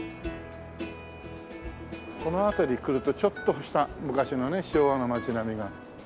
この辺り来るとちょっとした昔のね昭和の街並みが。